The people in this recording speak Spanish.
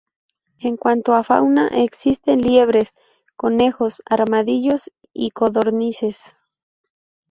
En cuanto a fauna existen liebres, conejos, armadillos y codornices.